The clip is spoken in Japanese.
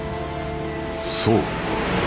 そう。